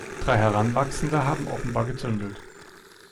Drei Heranwachsende haben offenbar gezündelt.